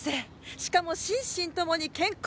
しかも心身ともに健康で明朗。